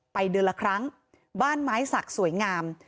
เดือนละครั้งบ้านไม้สักสวยงาม